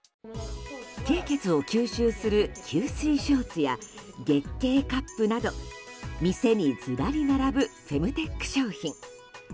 経血を吸水する吸水ショーツや月経カップなど、店にずらり並ぶフェムテック商品。